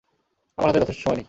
আমার হাতে যথেষ্ট সময় নেই।